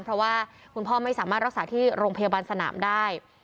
เพราะว่าคุณพ่อไม่สามารถรักษาที่โรงพยาบาลสนามได้